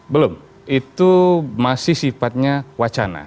belum itu masih sifatnya wacana